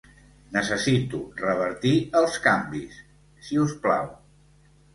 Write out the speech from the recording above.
Necessito revertir els canvis, si us plau